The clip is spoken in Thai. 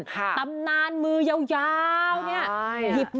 ตำนานมือยาวเนี่ย